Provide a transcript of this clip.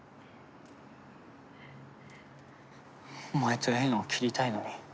お前と縁を切りたいのに。